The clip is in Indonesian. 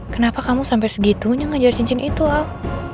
kenapa kamu sampai segitunya ngejar cincin itu al